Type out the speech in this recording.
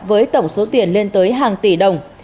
với tổng số tiền lên tới hàng tỷ đồng